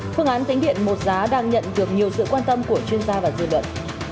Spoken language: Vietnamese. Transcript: phương án tính điện một giá đang nhận được nhiều sự quan tâm của chuyên gia và dư luận